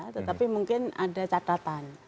tetapi mungkin ada catatan